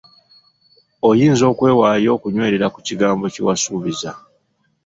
Oyinza okwewaayo okunywerera ku kigambo kye wasuubiza.